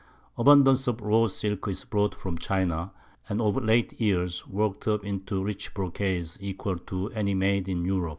Abundance of raw Silk is brought from China, and of late Years worked up into rich Brocades equal to any made in Europe.